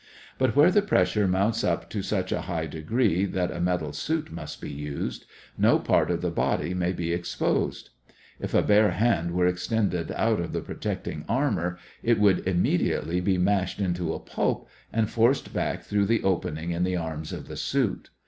But where the pressure mounts up to such a high degree that a metal suit must be used, no part of the body may be exposed. If a bare hand were extended out of the protecting armor it would immediately be mashed into a pulp and forced back through the opening in the arms of the suit.